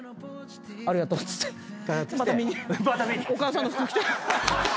ありがとうっつってまた見に。